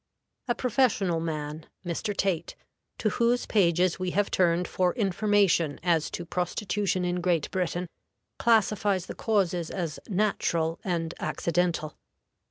A professional man, Mr. Tait, to whose pages we have turned for information as to prostitution in Great Britain, classifies the causes as natural and accidental.